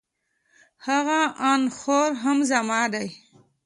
هغه انخورهم زما دی